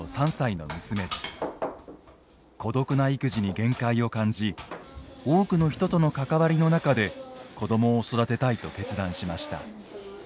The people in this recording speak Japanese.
孤独な育児に限界を感じ多くの人との関わりの中で子供を育てたいと決断しました